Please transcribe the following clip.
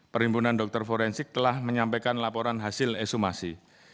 perhimpunan dokter forensik telah menyampaikan laporan hasil esumasi